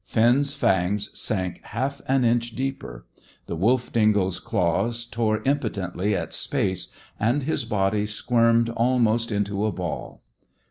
Finn's fangs sank half an inch deeper. The wolf dingo's claws tore impotently at space, and his body squirmed almost into a ball.